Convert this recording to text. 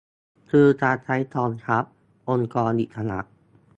คือการใช้กองทัพ องค์กรอิสระ